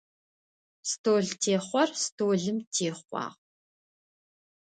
Столтехъор столым техъуагъ.